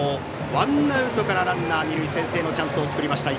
ワンアウトからランナー二塁先制のチャンスを作りました